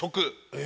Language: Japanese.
え！